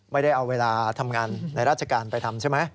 ไม่ได้เอาเวลาทำงานในราชการไปทำใช่ไหม